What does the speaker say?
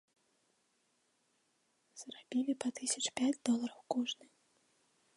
Зарабілі па тысяч пяць долараў кожны.